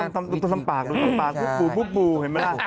ต้องทำปากปุ๊บเห็นไหมล่ะ